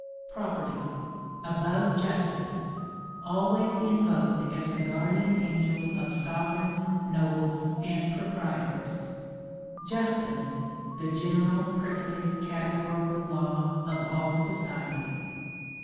PROPERTY above JUSTICE, always invoked as the guardian angel of sovereigns, nobles, and proprietors; JUSTICE, the general, primitive, categorical law of all society.